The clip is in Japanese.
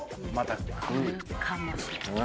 来るかもしれない。